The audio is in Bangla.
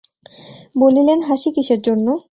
বলিলেন, হাসি কিসের জন্য!